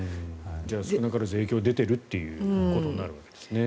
じゃあ、少なからず影響は出ているということになるわけですね。